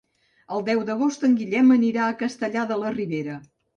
El deu d'agost en Guillem anirà a Castellar de la Ribera.